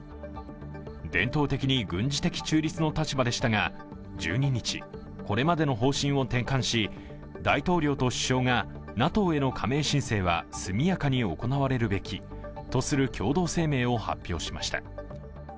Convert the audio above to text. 伝統的に軍事的中立の立場でしたが、１２日、これまでの方針を転換し大統領と首相がＮＡＴＯへの加盟申請は速やかに行われるべきとする共同声明を発表しました。